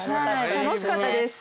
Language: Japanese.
楽しかったです。